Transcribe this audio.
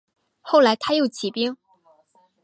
后来他又起兵。